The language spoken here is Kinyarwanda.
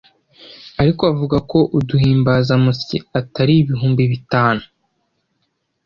ariko avuga ko uduhimbazamusyi atari ibihumbi bitanu